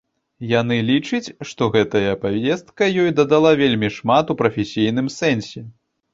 Яны лічыць, што гэтая паездка ёй дадала вельмі шмат у прафесійным сэнсе.